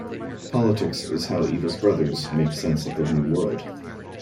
Politics is how Eva's brothers make sense of their new world.